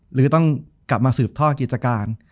หรือต้องกลับมาสืบทอดกิจการ